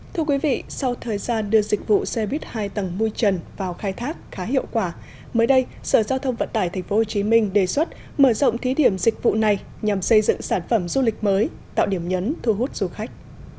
thưa quý vị sau thời gian đưa dịch vụ xe buýt hai tầng mui trần vào khai thác khá hiệu quả mới đây sở giao thông vận tải tp hcm đề xuất mở rộng thí điểm dịch vụ này nhằm xây dựng sản phẩm du lịch mới tạo điểm nhấn thu hút du khách